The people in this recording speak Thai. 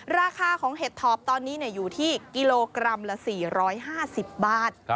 ราคาของเห็ดถอบตอนนี้อยู่ที่กิโลกรัมละ๔๕๐บาท